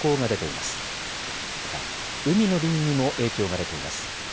また海の便にも影響が出ています。